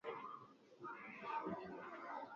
wadau watapata huduma kulingana na mahitaji yao